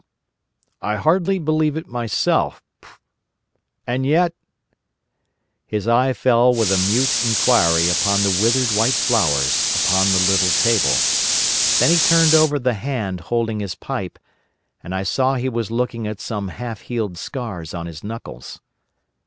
I hardly believe it myself..... And yet..." His eye fell with a mute inquiry upon the withered white flowers upon the little table. Then he turned over the hand holding his pipe, and I saw he was looking at some half healed scars on his knuckles.